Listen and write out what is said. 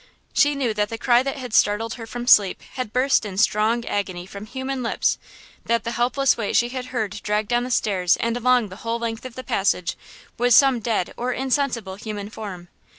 She knew that the cry that had startled her from sleep had burst in strong agony from human lips! That the helpless weight she had heard dragged down the stairs and along the whole length of the passage was some dead or insensible human form!